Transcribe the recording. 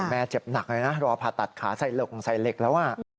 แม่เจ็บหนักเลยนะรอผ่าตัดขาใส่เหล็กแล้ว